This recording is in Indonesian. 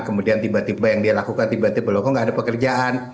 kemudian tiba tiba yang dia lakukan tiba tiba loko nggak ada pekerjaan